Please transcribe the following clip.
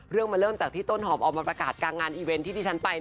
เรื่องมันเริ่มจากที่ต้นหอมออกมาประกาศกลางงานอีเวนต์ที่ที่ฉันไป